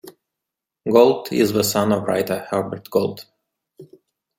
Gold is the son of writer Herbert Gold.